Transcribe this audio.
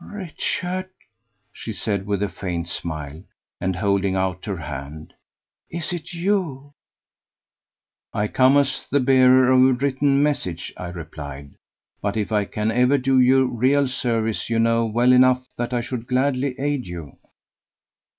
"Richard," she said with a faint smile, and holding out her hand, "is it you?" "I come as the bearer of a written message," I replied; "but if I can ever do you real service you know well enough that I should gladly aid you."